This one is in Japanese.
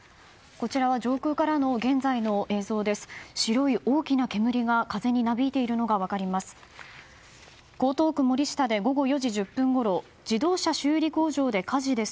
こちらは上空からの現在の映像です。